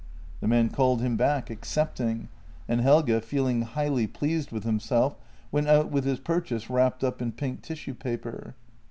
The man called him back, ac cepting, and Helge, feeling highly pleased with himself, went out with his purchase wrapped up in pink tissue paper.